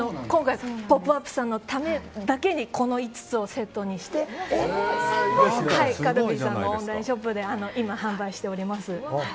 今回「ポップＵＰ！」さんのためだけにこの５つをセットにしてカルビーさんのオンラインショップで販売しております。